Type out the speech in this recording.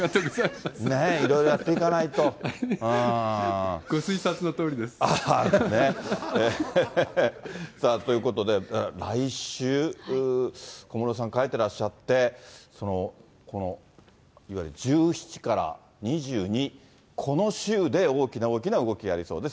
いろいろやっていかないと。ということで、来週、小室さん帰ってらっしゃって、このいわゆる１７から２２、この週で大きな動きがありそうです。